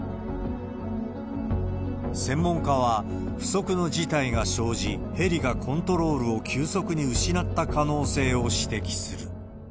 専門家は、不測の事態が生じ、ヘリがコントロールを急速に失った可能性を指摘する。